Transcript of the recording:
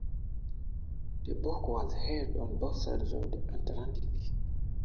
The book was hailed on both sides of the Atlantic.